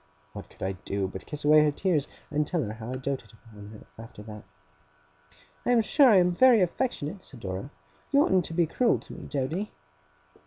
What could I do, but kiss away her tears, and tell her how I doted on her, after that! 'I am sure I am very affectionate,' said Dora; 'you oughtn't to be cruel to me, Doady!